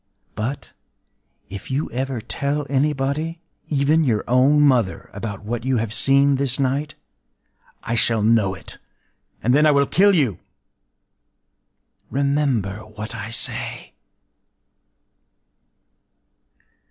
But, if you ever tell anybody—even your own mother—about what you have seen this night, I shall know it; and then I will kill you... Remember what I say!